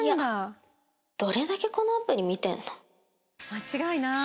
間違いない！